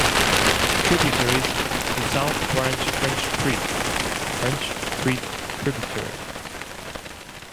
Tributaries to South Branch French Creek (French Creek tributary)